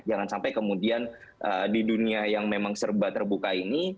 jangan sampai kemudian di dunia yang memang serba terbuka ini